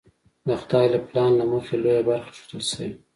د خدای له پلان له مخې لویه برخه ایښودل شوې.